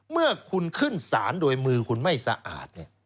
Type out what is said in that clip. เมื่อคุณขึ้นสารโดยมือคุณไม่สะอาด